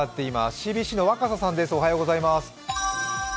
ＣＢＣの若狭さんです。